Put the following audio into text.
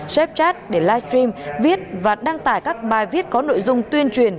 snapchat để live stream viết và đăng tải các bài viết có nội dung tuyên truyền